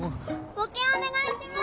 募金お願いします！